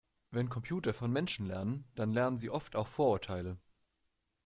Wenn Computer von Menschen lernen, dann lernen sie oft auch Vorurteile.